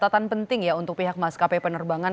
catatan penting ya untuk pihak maskapai penerbangan